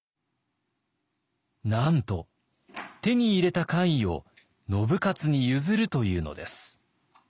なんと手に入れた官位を信雄に譲るというのです。